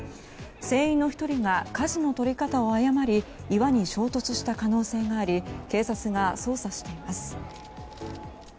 船員の１人がかじの取り方を誤り岩に衝突した可能性があり警察が捜査しています。